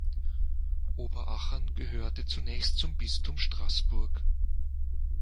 Oberachern gehörte zunächst zum Bistum Straßburg.